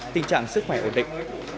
tình trạng sức khỏe ổn định